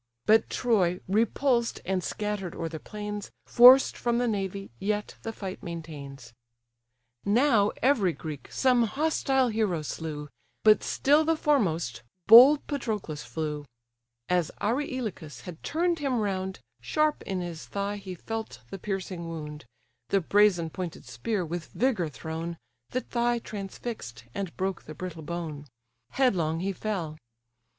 But Troy repulsed, and scatter'd o'er the plains, Forced from the navy, yet the fight maintains. Now every Greek some hostile hero slew, But still the foremost, bold Patroclus flew: As Areilycus had turn'd him round, Sharp in his thigh he felt the piercing wound; The brazen pointed spear, with vigour thrown, The thigh transfix'd, and broke the brittle bone: Headlong he fell.